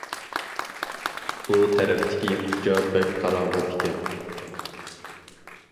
-ئۇ تەرەپتىكى كۇچا بەك قاراڭغۇ ئىكەن.